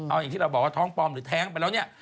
เอาอย่างที่เราบอกว่าท้องปลอมหรือแท้งไปแล้วเนี่ย